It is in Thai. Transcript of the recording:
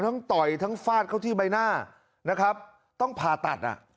ต่อยทั้งฟาดเข้าที่ใบหน้านะครับต้องผ่าตัดอ่ะ